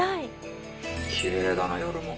きれいだな夜も。